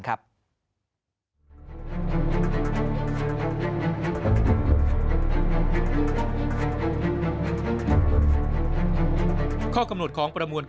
ข้อกำหนดของประมวล